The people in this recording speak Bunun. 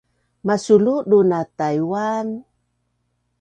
Masuludun a Tai’uan